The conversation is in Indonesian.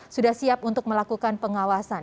sudah siap untuk melakukan pengawasan